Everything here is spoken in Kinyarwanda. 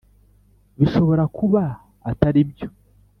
bishobora kuba atari byo